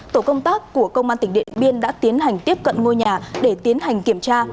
tổ công tác của công an tỉnh điện biên đã tiến hành tiếp cận ngôi nhà để tiến hành kiểm tra